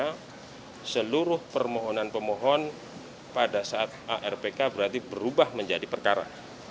karena seluruh permohonan pemohon pada saat hrpk berarti berubah menjadi perkara